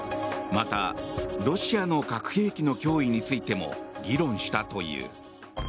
また、ロシアの核兵器の脅威についても議論したという。